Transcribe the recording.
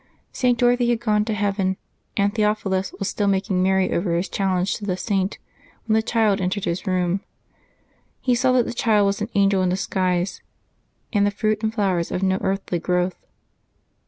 St. Dorothy had gone to heaven, and Theophilus was still making merry over his cliallenge to the Saint when the child entered his room. He saw that the child was an angel in disguise, and the fruit and flowers of no earthly growth.